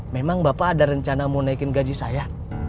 memang bapak ada rencana mau naikin gaji saya